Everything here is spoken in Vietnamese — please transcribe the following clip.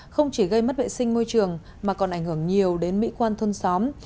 không chỉ gây mất vệ sinh môi trường mà còn ảnh hưởng nhiều đến mỹ quan thôn xóm